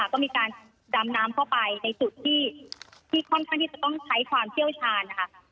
ก็มีการดำน้ำเข้าไปในจุดที่ค่อนข้างที่จะต้องใช้ความเชี่ยวชาญนะคะ